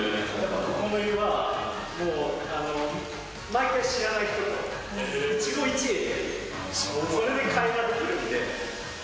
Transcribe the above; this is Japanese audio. ここの湯は毎回知らない人と、一期一会で、それで会話できるんで。